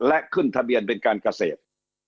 และขึ้นทะเบียนเป็นการเกษตร